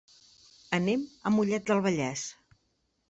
Anem a Mollet del Vallès.